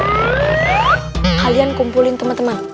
kalian kumpulin temen temen